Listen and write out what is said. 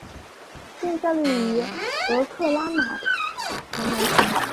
现效力于俄克拉何马城雷霆。